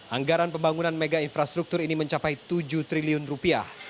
anggaran pembangunan mega infrastruktur ini mencapai tujuh triliun rupiah